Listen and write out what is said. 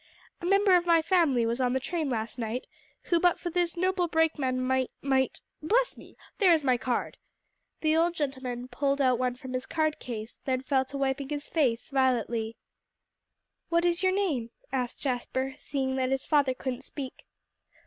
A member of my family was on the train last night, who but for this noble brakeman might might bless me! There is my card." The old gentleman pulled out one from his cardcase, then fell to wiping his face violently. "What is your name?" asked Jasper, seeing that his father couldn't speak.